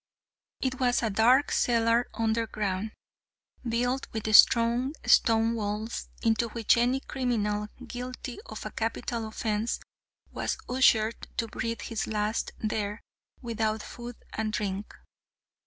It was a dark cellar underground, built with strong stone walls, into which any criminal guilty of a capital offence was ushered to breathe his last there without food and drink.